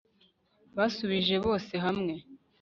Basubije bose hamwe